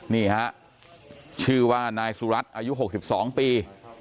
นี่ฮะชื่อว่านายสุรัตน์อายุ๖๒ปี